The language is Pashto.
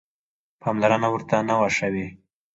پاملرنه ورته نه وه شوې.